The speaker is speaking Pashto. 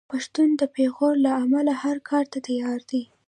پښتون د پېغور له امله هر کار ته تیار دی.